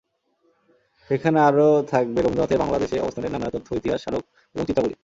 সেখানে আরও থাকবে রবীন্দ্রনাথের বাংলাদেশে অবস্থানের নানা তথ্য, ইতিহাস, স্মারক এবং চিত্রাবলি।